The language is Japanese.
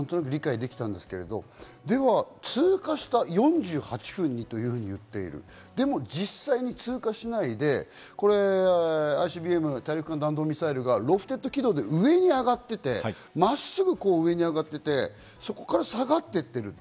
時間がたったのは理解できますけど、では通過した４８分、でも実際に通過しないで、ＩＣＢＭ＝大陸間弾道ミサイルかロフテッド軌道で上に上がってて、真っすぐ上に上がってて、そこから下がってってる。